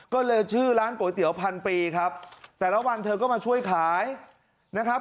ก็เลยชื่อร้านก๋วยเตี๋ยวพันปีครับแต่ละวันเธอก็มาช่วยขายนะครับ